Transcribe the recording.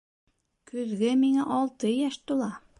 Көҙгә миңә алты йәш тула.